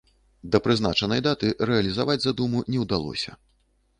Да прызначанай даты рэалізаваць задуму не ўдалося.